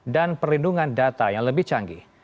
dan perlindungan data yang lebih canggih